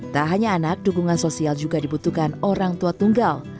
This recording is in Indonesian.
tak hanya anak dukungan sosial juga dibutuhkan orang tua tunggal